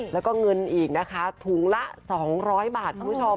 แล้วก็เงินอีกนะคะถุงละ๒๐๐บาทคุณผู้ชม